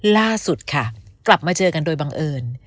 ล่าสุดค่ะกลับมาเจอกันโดยบังเอิญ